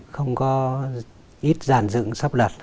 không có ít giàn dựng sắp đặt